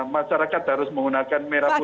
masyarakat harus menggunakan merah putih